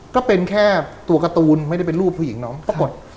ก็เป็นแค่ตัวการ์ตูนไม่ได้เป็นรูปผู้หญิงน้องปรากฏ